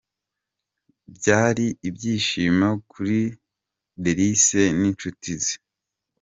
Byari ibyishimo kuri Delice n'inshuti ze.